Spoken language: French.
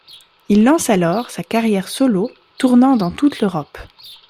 Il lance alors sa carrière solo, tournant dans toute l'Europe.